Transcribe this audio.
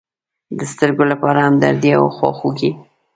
د سترگو لپاره همدردي او خواخوږي.